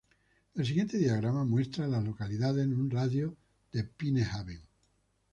El siguiente diagrama muestra a las localidades en un radio de de Pine Haven.